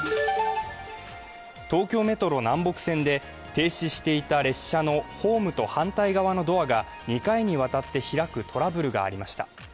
東京メトロ南北線で停止していた列車のホームと反対側のドアが２回にわたって開くトラブルがありました。